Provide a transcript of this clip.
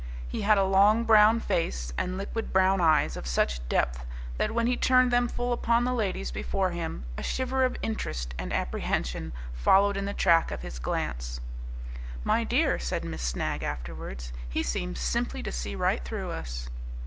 He had a long brown face and liquid brown eyes of such depth that when he turned them full upon the ladies before him a shiver of interest and apprehension followed in the track of his glance. "My dear," said Miss Snagg afterwards, "he seemed simply to see right through us."